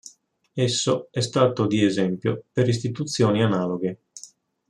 Esso è stato di esempio per istituzioni analoghe.